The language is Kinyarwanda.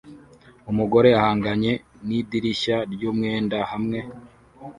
Umugore ahanganye nidirishya ryumwenda hamwe